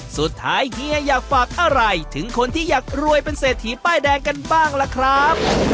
เฮียอยากฝากอะไรถึงคนที่อยากรวยเป็นเศรษฐีป้ายแดงกันบ้างล่ะครับ